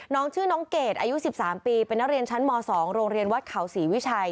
น้องชื่อน้องเกดอายุ๑๓ปีเป็นนักเรียนชั้นม๒โรงเรียนวัดเขาศรีวิชัย